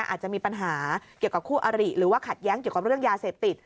อาจจะมีปัญหาเกี่ยวกับคู่อริหรือว่าขัดแย้งเกี่ยวกับเรื่องยาเสพติด